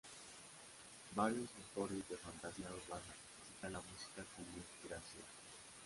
Varios autores de fantasía urbana citan la música como inspiración.